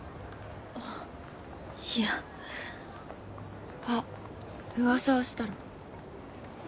あっいやあっ噂をしたらねえ